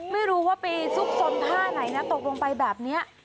ไม่รู้ว่าไปซุกซนท่าไหนนะตกลงไปแบบนี้